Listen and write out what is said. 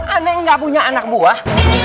aneh gak punya anak buah